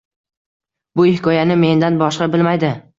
Bu hikoyani mendan boshqa bilmaydi.